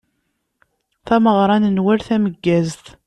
Tameɣṛa n Nwal tameggazt.